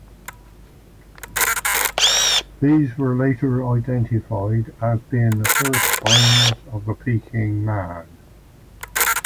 These were later identified as being the first finds of the Peking Man.